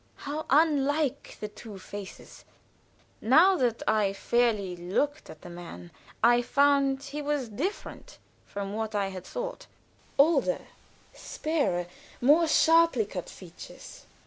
How unlike the two faces! Now that I fairly looked at the man I found he was different from what I had thought; older, sparer, with more sharply cut features.